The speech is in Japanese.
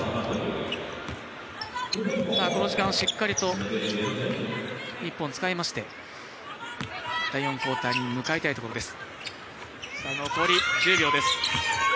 この時間、しっかりと日本使いまして第４クオーターに向かいたいところです。